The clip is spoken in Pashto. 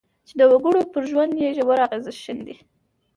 چې د وګړو پر ژوند یې ژور اغېز ښندي.